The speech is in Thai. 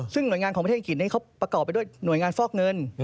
ซึ่งหน่วยงานของประเทศอังกฤษนี้เขาประกอบไปด้วยหน่วยงานฟอกเงิน